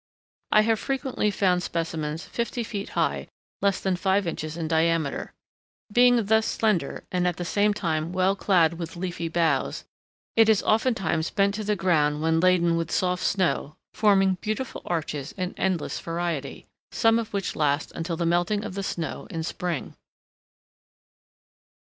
I have frequently found specimens fifty feet high less than five inches in diameter. Being thus slender, and at the same time well clad with leafy boughs, it is oftentimes bent to the ground when laden with soft snow, forming beautiful arches in endless variety, some of which last until the melting of the snow in spring.